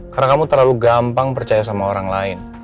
karena kamu terlalu gampang percaya sama orang lain